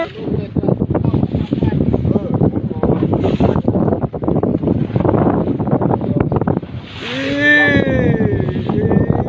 สวัสดี